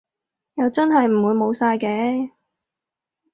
又真係唔會冇晒嘅